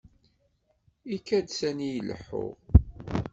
Ikad sani leḥḥuɣ.